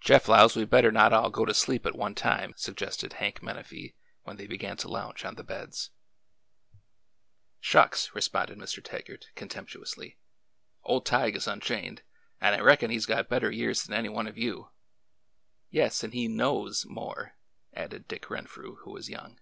Jeff 'lows we M better not all go to sleep at one time," suggested Hank Menafee when they began to lounge on the beds. " Shucks !" responded Mr. Taggart, contemptuously. Ole Tige is unchained, and I reckon he 's got better years than ary one of you—" Yes, and he nose more," added Dick Renfrew, who was young.